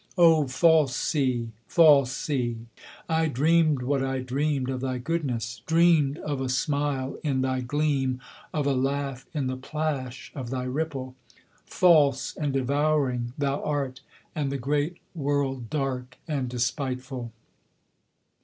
O false sea! false sea! I dreamed what I dreamed of thy goodness; Dreamed of a smile in thy gleam, of a laugh in the plash of thy ripple: False and devouring thou art, and the great world dark and despiteful.'